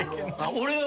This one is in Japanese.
俺は。